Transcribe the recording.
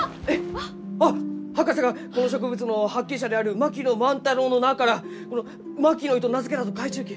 博士がこの植物の発見者である槙野万太郎の名からこの「マキノイ」と名付けたと書いちゅうき。